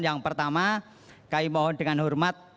yang pertama kami mohon dengan hormat